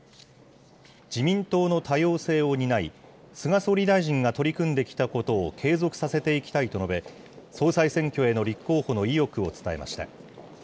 自民党の多様性を担い菅総理大臣が取り組んできたことを継続させていきたいと述べ、総裁選挙への立候補の意欲を伝えました。